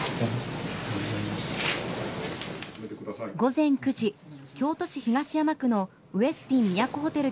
午前９時、京都市東山区のウェスティン都ホテル